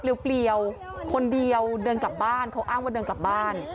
เลี่ยวคนเดียวเดินกลับบ้านเขาอ้างว่าเดินกลับบ้าน